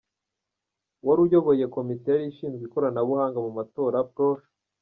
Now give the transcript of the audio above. Uwari uyoboye komite yari ishinzwe ikoranabuhanga mu matora, Prof.